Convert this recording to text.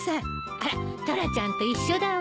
あらタラちゃんと一緒だわ。